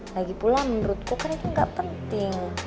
lagipula menurutku kan itu gak penting